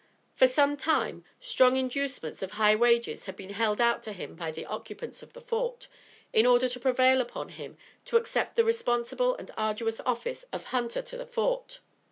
For some time, strong inducements of high wages had been held out to him by the occupants of the Fort, in order to prevail upon him to accept the responsible and arduous office of Hunter to the Fort.